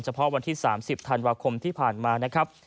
เพาะวันที่๓๐ธันวาคมที่ผ่านมานะครับ